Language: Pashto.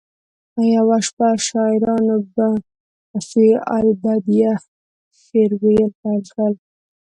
یوه شپه شاعرانو فی البدیهه شعر ویل پیل کړل